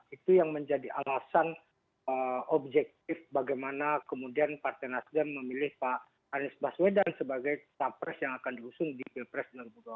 itu yang menjadi alasan objektif bagaimana kemudian partenasian memilih pak anies baswedan sebagai staff pres yang akan diusung di bpres dua ribu dua puluh empat